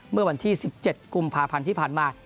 เมื่อวันที่๑๗กุมภาพันธ์ที่ผ่านมา